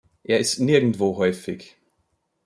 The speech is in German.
Er ist nirgendwo häufig.